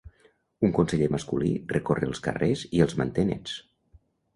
Un conseller masculí recorre els carrers i els manté nets.